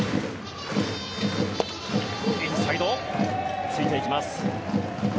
インサイド、突いていきます。